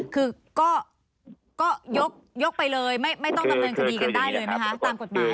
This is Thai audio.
คือก็ยกไปเลยไม่ต้องดำเนินคดีกันได้เลยไหมคะตามกฎหมาย